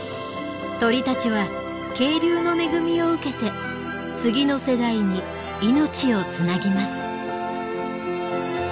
鳥たちは渓流の恵みを受けて次の世代に命をつなぎます。